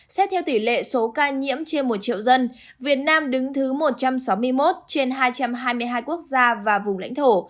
xét theo tỷ lệ số ca nhiễm trên một triệu dân việt nam đứng thứ một trăm sáu mươi một trên hai trăm hai mươi hai quốc gia và vùng lãnh thổ